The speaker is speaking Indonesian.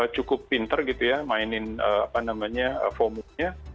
cukup pinter gitu ya mainin fomo nya